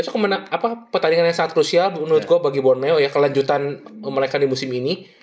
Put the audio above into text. besok menang apa pertandingannya sangat krusial menurut gua bagi borneo ya kelanjutan mereka di musim ini